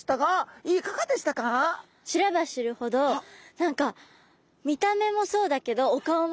知れば知るほど何か見た目もそうだけどそうですね。